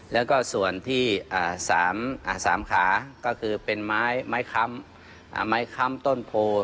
แล้วก็ส่วนที่๓ขาก็คือเป็นไม้ค้ำไม้ค้ำต้นโพ